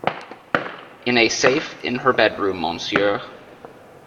In a safe in her bedroom, monsieur.